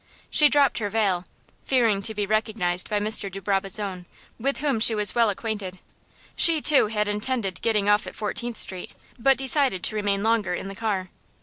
She dropped her veil, fearing to be recognized by Mr. de Brabazon, with whom she was well acquainted. She, too, had intended getting off at Fourteenth Street, but decided to remain longer in the car.